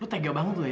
lu tega banget lu ya